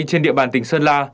trên địa bàn tỉnh sơn la